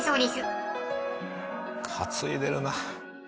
担いでるな。